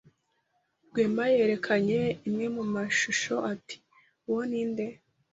Rwema yerekanye imwe mu mashusho ati: "Uwo ni nde?"